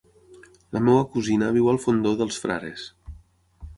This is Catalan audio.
La meva cosina viu al Fondó dels Frares.